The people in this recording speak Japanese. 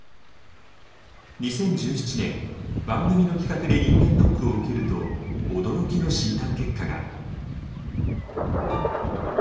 ２０１７年番組の企画で人間ドックを受けると驚きの診断結果が。